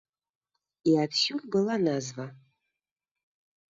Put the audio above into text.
І адсюль была назва.